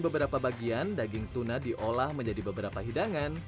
beberapa bagian daging tuna diolah menjadi beberapa hidangan